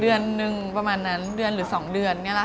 เดือนหนึ่งประมาณนั้นเดือนหรือสองเดือนนี้แหละค่ะ